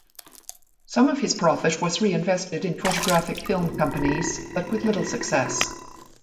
Some of his profit was reinvested in photographic film companies but with little success.